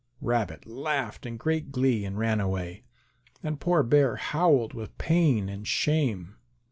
Rabbit laughed in great glee and ran away. And poor Bear howled with pain and shame.